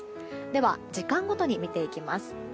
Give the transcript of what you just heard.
では、時間ごとに見ていきます。